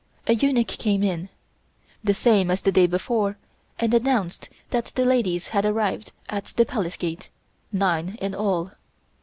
A eunuch came in, the same as the day before, and announced that the ladies had arrived at the Palace Gate, nine in all.